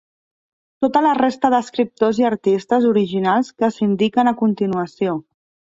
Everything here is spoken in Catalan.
Tota la resta d'escriptors i artistes originals que s'indiquen a continuació.